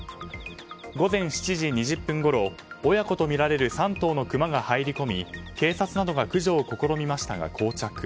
午前７時２０分ごろ親子とみられる３頭のクマが入り込み警察などが駆除を試みましたが膠着。